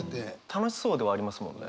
楽しそうではありますもんね。